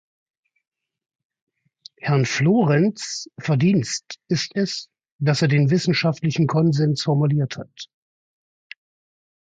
Herrn Florenz Verdienst ist es, dass er den wissenschaftlichen Konsens formuliert hat.